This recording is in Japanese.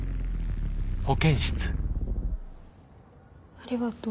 ありがとう。